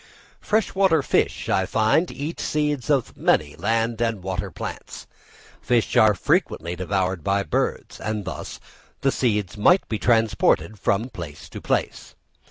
Fresh water fish, I find, eat seeds of many land and water plants; fish are frequently devoured by birds, and thus the seeds might be transported from place to place.